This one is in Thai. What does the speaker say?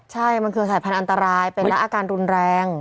ใช่มันคือสายพันธุ์อันตรายเป็นและอาการรุนแรง